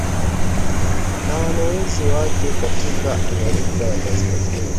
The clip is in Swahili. na walowezi wake katika Amerika ya Kaskazini